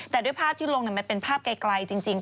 แต่ด้วยภาพที่ลงมันเป็นภาพไกลจริง